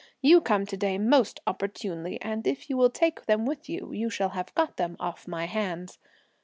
You come to day most opportunely, and if you will take them with you, I shall have got them off my hands.